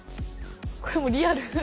これもリアル。